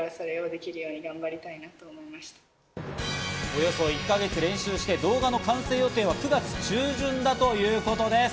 およそ１か月練習して、動画の完成予定は９月中旬だということです。